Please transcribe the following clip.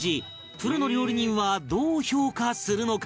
プロの料理人はどう評価するのか？